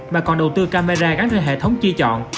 mà còn đầu tư camera gắn trên hệ thống chia chọn